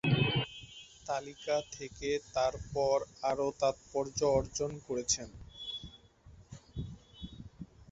তালিকা থেকে, তারপর, আরও তাত্পর্য অর্জন করেছেন।